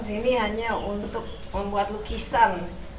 sini hanya untuk membuat lukisan